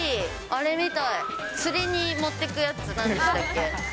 あれみたい、釣りに持ってくやつ、なんでしたっけ？